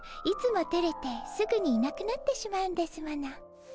いつもてれてすぐにいなくなってしまうんですもの。